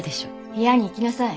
部屋に行きなさい。